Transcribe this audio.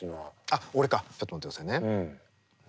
あっ俺かちょっと待ってくださいね。